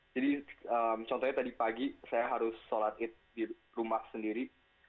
jadi contohnya tadi pagi saya harus sholat id di rumah sendiri